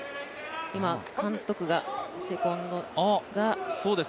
監督が、セコンドが。